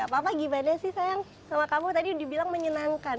papa gimana sih sayang sama kamu tadi dibilang menyenangkan